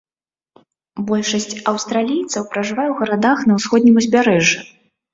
Большасць аўстралійцаў пражывае ў гарадах на ўсходнім узбярэжжы.